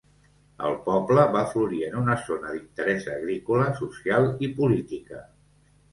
El poble va florir en una zona d'interès agrícola, social i política.